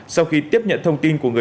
sau khi tiếp nhận thông tin của người